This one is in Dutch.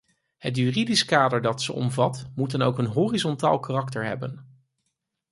Het juridisch kader dat ze omvat, moet dan ook een horizontaal karakter hebben.